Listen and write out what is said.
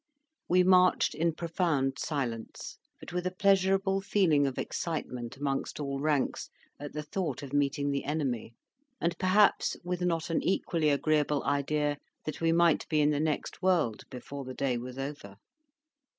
We marched in profound silence, but with a pleasurable feeling of excitement amongst all ranks at the thought of meeting the enemy, and perhaps with not an equally agreeable idea that we might be in the next world before the day was over.